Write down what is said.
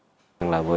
với cái chỉ đạo